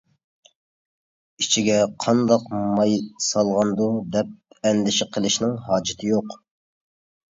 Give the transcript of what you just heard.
ئىچىگە قانداق ماي سالغاندۇ دەپ ئەندىشە قىلىشنىڭ ھاجىتى يوق.